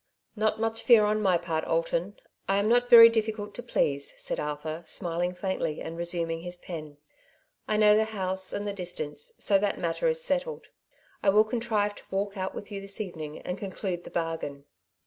^^ Not much fear on my part, Alton ; I am not very difficult to please," said Arthur, smiling faintly and resuming his pen. ''I know the house and the distance, so that matter is settled. I will contrive to walk out with you this evening and conclude the bargain."